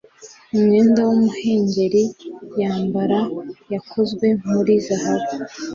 Umwenda wumuhengeri yambaraga wakozwe muri zahabu